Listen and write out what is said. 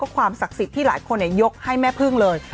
ความศักดิ์สิทธิ์ที่หลายคนยกให้แม่พึ่งเลย